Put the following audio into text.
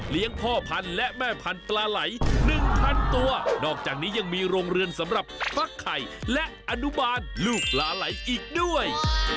พ่อพันธุ์และแม่พันธุ์ปลาไหลหนึ่งพันตัวนอกจากนี้ยังมีโรงเรือนสำหรับฟักไข่และอนุบาลลูกปลาไหลอีกด้วย